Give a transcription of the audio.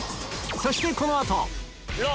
そしてこの後ろ。